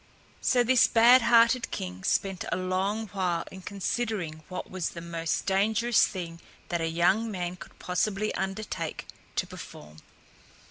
So this bad hearted king spent a long while in considering what was the most dangerous thing that a young man could possibly undertake to perform.